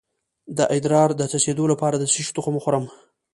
د ادرار د څڅیدو لپاره د څه شي تخم وخورم؟